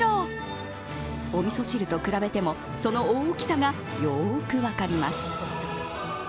おみそ汁と比べても、その大きさがよく分かります。